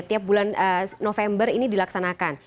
tiap bulan november ini dilaksanakan